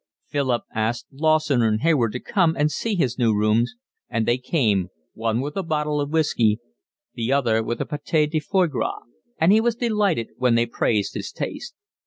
Philip asked Lawson and Hayward to come and see his new rooms, and they came, one with a bottle of whiskey, the other with a pate de foie gras; and he was delighted when they praised his taste.